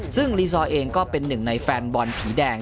ซึ่งรีซอร์เองก็เป็นหนึ่งในแฟนบอลผีแดง